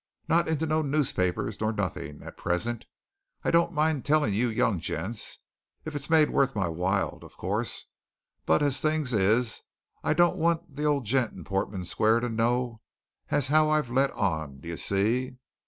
"Not into no newspapers nor nothing, at present. I don't mind telling you young gents, if it's made worth my while, of course, but as things is, I don't want the old gent in Portman Square to know as how I've let on d'ye see?